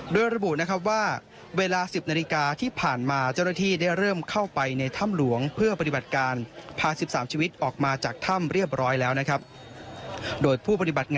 โดยระบุนะครับว่าเวลา๑๐นาฬิกาที่ผ่านมาเจ้าหน้าที่ได้เริ่มเข้าไปในถ้ำหลวงเพื่อปฏิบัติการพา๑๓ชีวิตออกมาจากถ้ำเรียบร้อยแล้วนะครับ